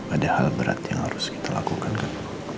ada hal berat yang harus kita lakukan kan